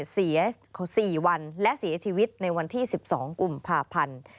เสีย๔วันและเสียชีวิตในวันที่๑๒กุมภาพันธ์